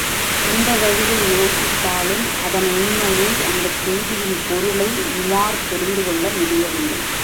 எந்த வழியில் யோசித்தாலும், அதன் உண்மையை, அந்தச் செய்தியின் பொருளை உமார் தெரிந்து கொள்ள முடியவில்லை.